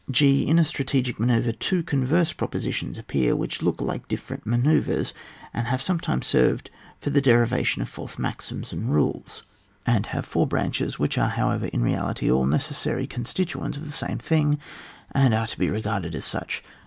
(^.) In a strategic manoeuvre two con verse propositions appear, which look like different manoeuvres, and have some times served for the derivation of false maxims and rules, and have four 16 ON WAR. [book vn. branches, wliich are, however, in reality, all necessary constituents of the same thiog, and are to be regarded as such.